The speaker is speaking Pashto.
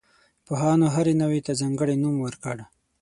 پوهانو هرې نوعې ته ځانګړی نوم ورکړ.